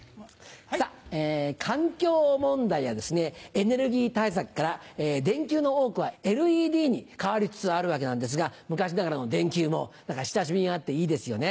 さぁ環境問題やエネルギー対策から電球の多くはＬＥＤに替わりつつあるわけなんですが昔ながらの電球も親しみがあっていいですよね。